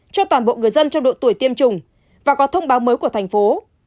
cho toàn bộ người dân trong độ tuổi tiêm chủng và có thông báo mới của thành phố